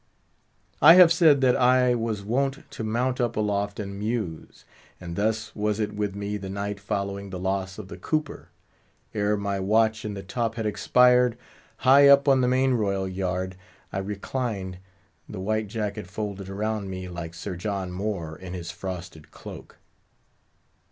I have said that I was wont to mount up aloft and muse; and thus was it with me the night following the loss of the cooper. Ere my watch in the top had expired, high up on the main royal yard I reclined, the white jacket folded around me like Sir John Moore in his frosted cloak.